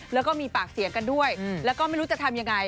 แล้วก็มีปากเสียงกันด้วยแล้วก็ไม่รู้จะทำยังไง